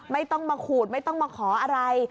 ไม่ต้องมาขูดไม่ต้องมาขออะไร